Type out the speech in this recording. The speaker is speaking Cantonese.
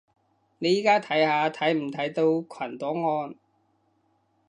你而家睇下睇唔睇到群檔案